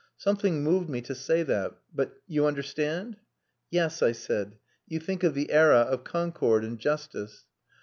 Something moved me to say that, but you understand?" "Yes," I said. "You think of the era of concord and justice."